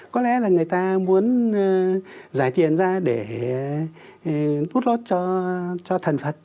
có lẽ là người ta muốn giải tiền ra để bút lót cho thần phật